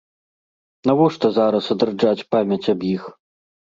Навошта зараз адраджаць памяць аб іх?